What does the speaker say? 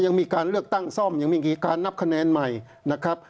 ยังมีการเลือกตั้งซ่อมยังมีการนับคะแนนใหม่นะครับ